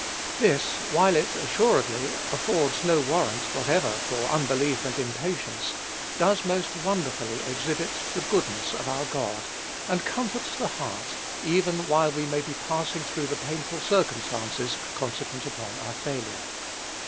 This, while it, assuredly, affords no warrant whatever for unbelief and impatience, does most wonderfully exhibit the goodness of our God, and comfort the heart even while we may be passing through the painful circumstances consequent upon our failure.